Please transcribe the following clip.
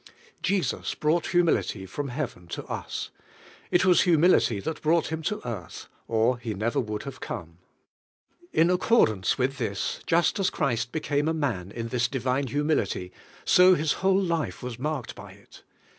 Jesus brought humility from heaven to us. It was humility that brought Him to earth, or He never would have come. In accordance with thisj just as Christ became a man in this divine CHRIST'S HUMILITY UR SAL VA TIOM SO humility, so His whole life was marked by it.